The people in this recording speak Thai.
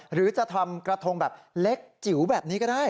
หรือจะทำกระทงแบบเล็กจิ๋วแบบนี้ก็ได้